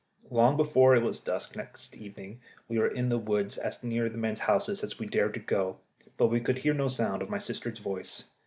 Long before it was dusk next evening we were in the woods as near to the men's houses as we dared to go, but we could hear no sound of my sister's voice.